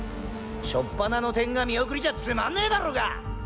しょっぱなの点が見送りじゃつまんねぇだろうが！